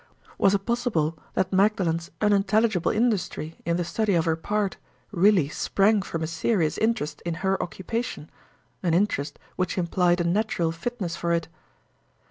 Was it possible that Magdalen's unintelligible industry in the study of her part really sprang from a serious interest in her occupation—an interest which implied a natural fitness for it?